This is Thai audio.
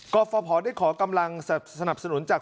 ก็ฟพได้ขอกำลังสนับสนุนจาก